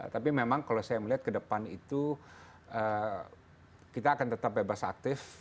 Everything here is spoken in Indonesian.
tapi memang kalau saya melihat ke depan itu kita akan tetap bebas aktif